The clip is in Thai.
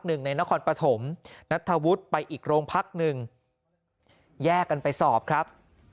ในนครปฐมนัทธวุฒิไปอีกโรงพักหนึ่งแยกกันไปสอบครับ